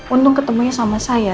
untung ketemunya sama saya